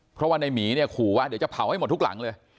เพราะว่าในหมีเนี่ยขู่ว่าเดี๋ยวจะเผาให้หมดทุกหลังเลย